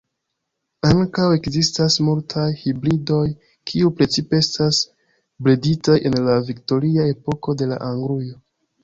Ankaŭ ekzistas multaj hibridoj, kiuj precipe estas breditaj en la viktoria epoko de Anglujo.